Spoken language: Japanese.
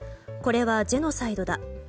これはジェノサイドだ。